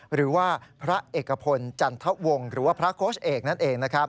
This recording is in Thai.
หรือว่าพระเอกพลจันทะวงหรือว่าพระโค้ชเอกนั่นเองนะครับ